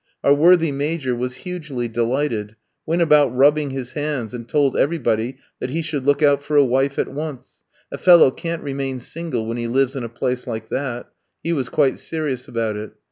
Our worthy Major was hugely delighted, went about rubbing his hands, and told everybody that he should look out for a wife at once, "a fellow can't remain single when he lives in a place like that;" he was quite serious about it.